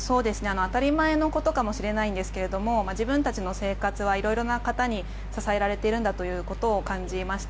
当たり前のことかもしれないんですけど自分たちの生活はいろいろな方に支えられているんだと感じました。